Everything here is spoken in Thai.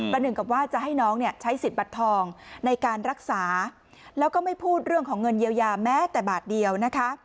หนึ่งกับว่าจะให้น้องเนี่ยใช้สิทธิ์บัตรทองในการรักษาแล้วก็ไม่พูดเรื่องของเงินเยียวยาแม้แต่บาทเดียวนะคะ